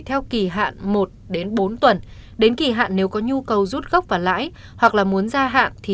theo kỳ hạn một đến bốn tuần đến kỳ hạn nếu có nhu cầu rút gốc và lãi hoặc là muốn ra hạng thì